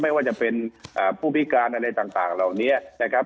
ไม่ว่าจะเป็นผู้พิการอะไรต่างเหล่านี้นะครับ